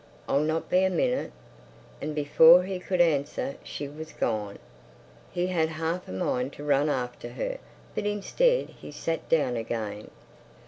I'll not be a minute." And before he could answer she was gone. He had half a mind to run after her; but instead he sat down again.